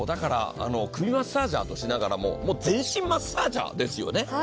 首マッサージャーとしながらももう全身マッサージャーですよね。